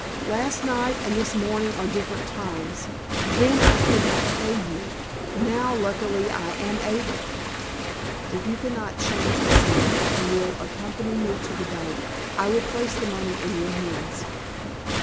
"Last night and this morning are different times. Then I could not pay you; now, luckily, I am able. If you cannot change this amount, and will accompany me to the bank, I will place the money in your hands."